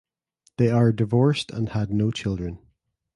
They are divorced and had no children.